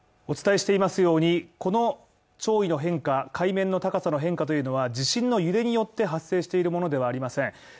お伝えしていますように、この潮位の変化、海面の高さの変化というのは地震の揺れによって発生しているものではありません。